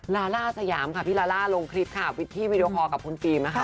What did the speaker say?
ลาล่าสยามค่ะพี่ลาล่าลงคลิปค่ะวิธีวีดีโอคอลกับคุณฟิล์มนะคะ